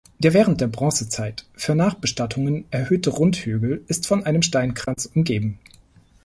Der während der Bronzezeit für Nachbestattungen erhöhte Rundhügel ist von einem Steinkranz umgeben.